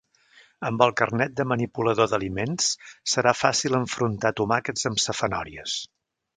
Amb el carnet de manipulador d'aliments serà fàcil enfrontar tomaques amb safanòries.